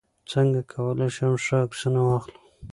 څنګه کولی شم ښه عکسونه واخلم